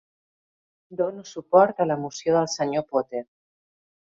Dono suport a la moció del Sr. Potter.